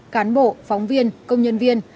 cán bộ phóng viên công nhân viên